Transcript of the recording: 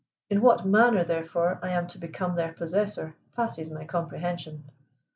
In what manner, therefore, I am to become their possessor passes my comprehension.